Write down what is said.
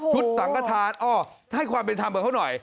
ทุศังฆฐานให้ความเป็นธรรมใบเขาหน่อย